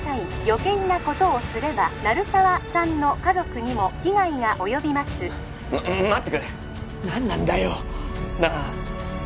☎余計なことをすれば☎鳴沢さんの家族にも危害が及びます待ってくれ何なんだよなあ？